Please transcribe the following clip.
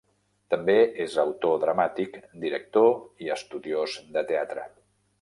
També és autor dramàtic, director i estudiós de teatre.